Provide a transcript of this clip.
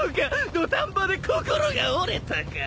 土壇場で心が折れたか！